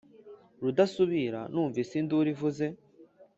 rudasubira numvise induru ivuze,